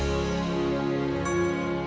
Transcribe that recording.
ya enggak sih